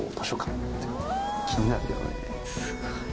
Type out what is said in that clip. すごい。